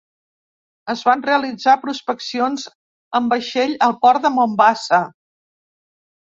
Es van realitzar prospeccions en vaixell al port de Mombasa.